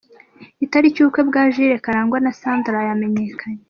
Itariki y'ubukwe bwa Jules Karangwa na Sandra yamenyekanye.